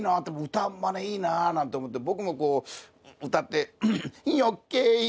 歌マネいいななんて思って僕もこう歌って「余計な」